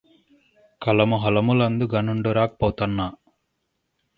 కలము హలములందు ఘనుండురా Pothanna